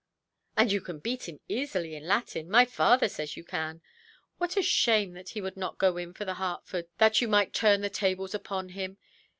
"And you can beat him easily in Latin; my father says you can. What a shame that he would not go in for the Hertford, that you might turn the tables upon him!